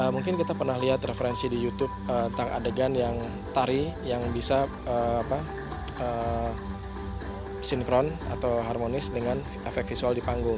mungkin kita pernah lihat referensi di youtube tentang adegan yang tari yang bisa sinkron atau harmonis dengan efek visual di panggung